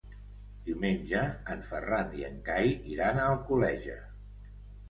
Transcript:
Diumenge en Ferran i en Cai iran a Alcoleja.